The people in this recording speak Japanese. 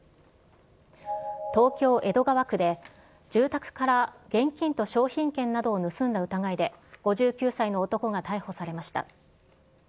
東京・江戸川区で、住宅から現金と商品券などを盗んだ疑いで、５９歳の男が逮捕されました。